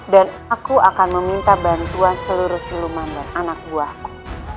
aku akan meminta bantuan seluruh siluman dan anak buahku